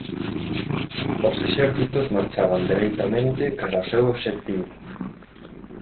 Os exércitos marchaban dereitamente cara ao seu obxectivo.